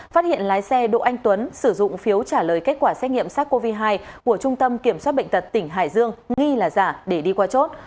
phát hiện lái xe đỗ anh tuấn sử dụng phiếu trả lời kết quả xét nghiệm sars cov hai của trung tâm kiểm soát bệnh tật tỉnh hải dương nghi là giả để đi qua chốt